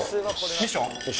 ミッション？